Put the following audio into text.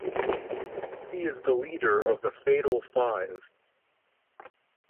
He is the leader of the Fatal Five.